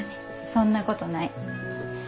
そんなことない。